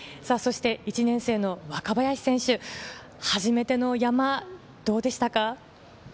１年生の若林選手、初めての山、どうでしたか？